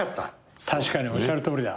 確かにおっしゃるとおりだ。